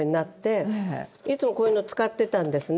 いつもこういうの使ってたんですね。